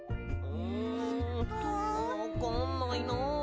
うんわかんないな。